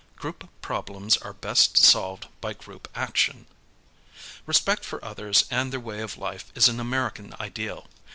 Group problems are best solved by group action. Respect for others and their way of life is an American ideal.